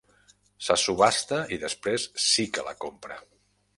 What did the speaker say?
Se subhasta i després sí que la compra.